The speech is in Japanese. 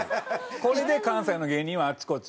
これで関西の芸人はあちこち。